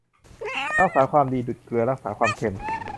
รักษาความดีดุจเกลือรักษาความเค็ม